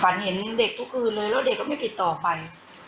เห็นเด็กทุกคืนเลยแล้วเด็กก็ไม่ติดต่อไป